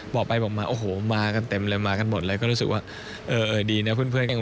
บอกไปบอกมาโอ้โหมากันเต็มเลยมากันหมดเลยก็รู้สึกว่าเออดีนะเพื่อนกัน